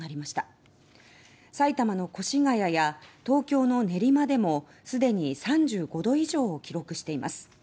埼玉の越谷や東京の練馬でもすでに３５度以上を記録しています。